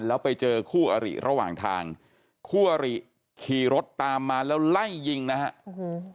แล้วไปเจอคู่อริระหว่างทางคู่อริขี่รถตามมาแล้วไล่ยิงนะฮะโอ้โห